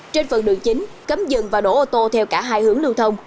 trên phần đường chính cấm dừng và đổ ô tô theo cả hai hướng lưu thông